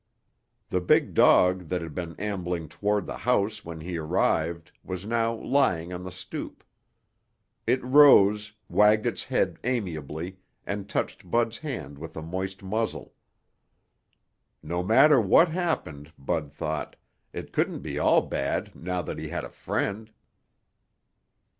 The big dog that had been ambling toward the house when he arrived was now lying on the stoop. It rose, wagged its tail amiably and touched Bud's hand with a moist muzzle. No matter what happened, Bud thought, it couldn't be all bad now that he had a friend.